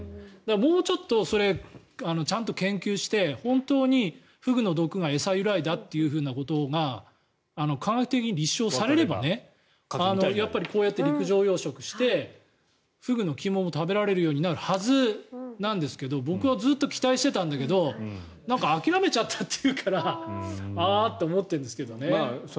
もうちょっとちゃんと研究して本当にフグの毒が餌由来だっていうことが科学的に立証されればやっぱりこうやって陸上養殖してフグの肝も食べられるようになるはずなんですけど僕はずっと期待してたんだけど諦めちゃったっていうからああって思ってるんですけどね。